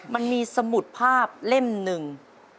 มันมีสมุดภาพเล่มหนึ่ง